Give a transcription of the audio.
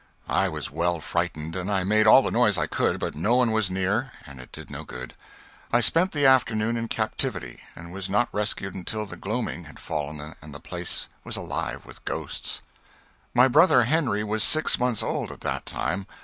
I was well frightened, and I made all the noise I could, but no one was near and it did no good. I spent the afternoon in captivity and was not rescued until the gloaming had fallen and the place was alive with ghosts. My brother Henry was six months old at that time.